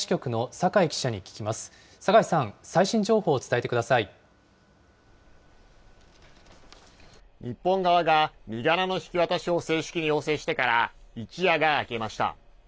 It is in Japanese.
酒井さん、最新情報を伝えてくだ日本側が身柄の引き渡しを正式に要請してから一夜が明けました。